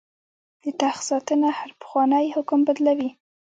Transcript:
د تخت ساتنه هر پخوانی حکم بدلوي.